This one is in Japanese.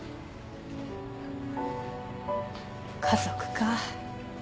家族か。